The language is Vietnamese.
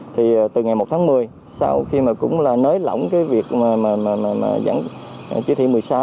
thì từ ngày một tháng một mươi sau khi mà cũng là nới lỏng cái việc mà vẫn chỉ thị một mươi sáu